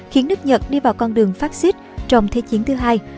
khiến nước nhật đi vào con đường phát xít trong thế chiến thứ hai